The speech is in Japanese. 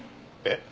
えっ？